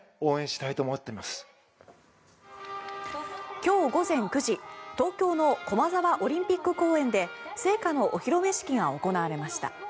今日午前９時東京の駒沢オリンピック公園で聖火のお披露目式が行われました。